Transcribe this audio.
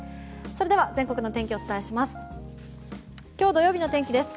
それでは全国の天気をお伝えします。